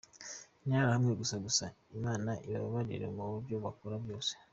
Interahamwe gusa…gusa Imana ibabarire mubyo mukora byose.